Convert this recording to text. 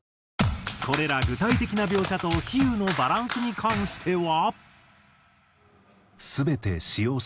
これら具体的な描写と比喩のバランスに関しては。